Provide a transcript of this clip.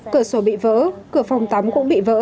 cửa sổ bị vỡ cửa phòng tắm cũng bị vỡ